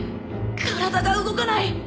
体が動かない。